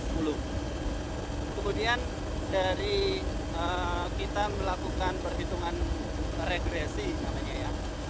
kemudian dari kita melakukan perhitungan regresi namanya ya